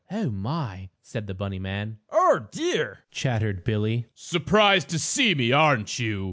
"Oh, my!" said the bunny man. "Oh, dear!" chattered Billie. "Surprised to see me, aren't you?"